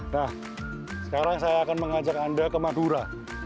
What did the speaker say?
nah sekarang saya akan mengajak anda ke madura